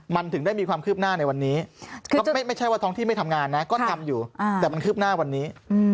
มันถึงได้มีความคืบหน้าในวันนี้ก็ไม่ใช่ว่าท้องที่ไม่ทำงานนะก็ทำอยู่แต่มันคืบหน้าวันนี้